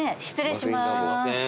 失礼します。